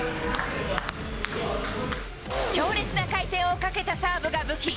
強烈な回転をかけたサーブが武器。